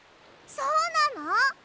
そうなの！？